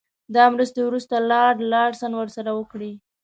دا مرستې وروسته لارډ لارنس ورسره وکړې.